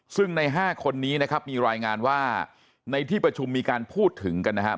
ซึ่งใน๕คนนี้นะครับมีรายงานว่าในที่ประชุมมีการพูดถึงกันนะครับ